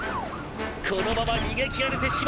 このまま逃げきられてしまうのか！